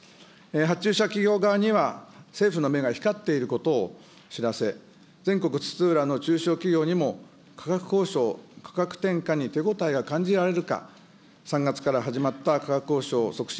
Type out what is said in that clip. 発注者企業側には政府の目が光っていることを知らせ、全国津々浦々の中小企業にも価格交渉、価格転嫁に手応えが感じられるか、３月から始まった価格交渉促進